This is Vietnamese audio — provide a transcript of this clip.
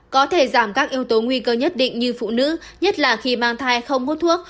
có thể giảm các yếu tố nguy cơ nhất định như phụ nữ nhất là khi mang thai không hút thuốc